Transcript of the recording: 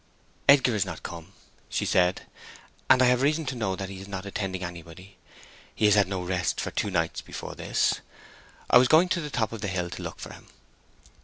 "Edgar is not come," she said. "And I have reason to know that he's not attending anybody. He has had no rest for two nights before this. I was going to the top of the hill to look for him."